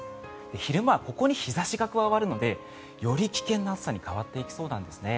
昼間はここに日差しが加わるのでより危険な暑さに変わっていきそうなんですね。